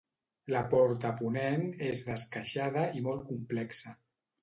La porta a ponent és d'esqueixada i molt complexa.